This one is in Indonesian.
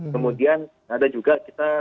kemudian ada juga kita